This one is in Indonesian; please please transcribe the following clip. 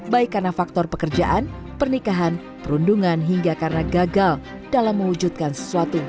baik karena faktor pekerjaan pernikahan perundungan hingga karena gagal dalam mewujudkan sesuatu